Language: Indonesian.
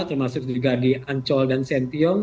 termasuk juga di ancol dan sentiong